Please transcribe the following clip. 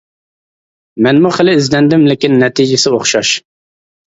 مەنمۇ خېلى ئىزدەندىم، لېكىن نەتىجىسى ئوخشاش.